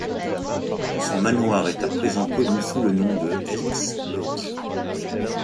Son manoir est à présent connu sous le nom de Elks Lodge.